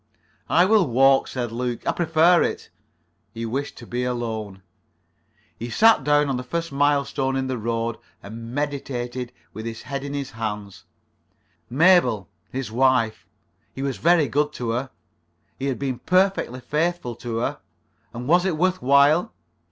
"I will walk," said Luke. "I prefer it." He wished to be alone. [Pg 47]He sat down on the first milestone in the road, and meditated with his head in his hands. Mabel. His wife. He was very good to her. He had been perfectly faithful to her. And was it worth while?